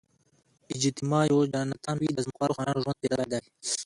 اجتماع پوه جاناتان وی د ځمکوالو خانانو ژوند څېړلی دی.